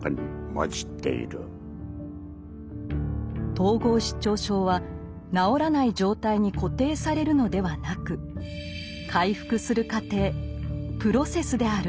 統合失調症は治らない「状態」に固定されるのではなく回復する「過程」プロセスである。